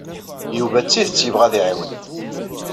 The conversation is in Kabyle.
Yuba d tidet yebɣa ad iɛawen.